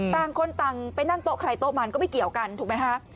ต่างคนต่างไปนั่งโต๊ะใครโต๊ะมันก็ไม่เกี่ยวกันถูกไหมคะ